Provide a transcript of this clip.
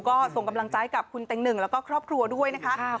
ก็ส่งกำลังใจกับคุณเต็งหนึ่งแล้วก็ครอบครัวด้วยนะคะ